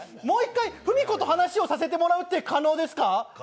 もう１回フミコと話をさせてもらうって可能ですか？